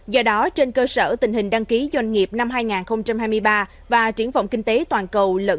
do đó trên cơ sở tình hình đăng ký doanh nghiệp năm hai nghìn hai mươi ba và triển vọng kinh tế toàn cầu